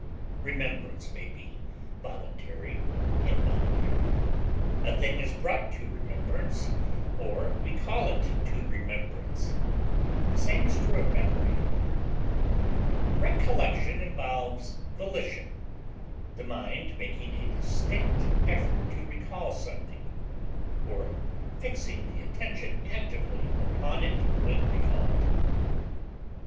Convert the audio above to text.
Remembrance may be voluntary or involuntary; a thing is brought to remembrance or we call it to remembrance; the same is true of memory. Recollection involves volition, the mind making a distinct effort to recall something, or fixing the attention actively upon it when recalled.